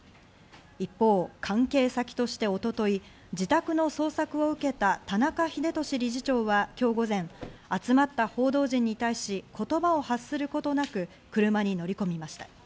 一方、関係先として一昨日、自宅の捜索を受けた田中英壽理事長は、今日午前、集まった報道陣に対し、言葉を発することなく、車に乗り込みました。